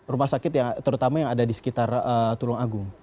rumah sakit yang terutama yang ada di sekitar tulung agung